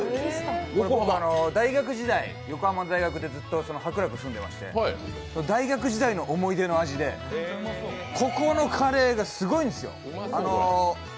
大学時代、横浜の大学でずっと白楽に住んでまして大学時代の思い出の味でここのカレーがすごいんですよ。